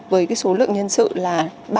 với số lượng nhân sự là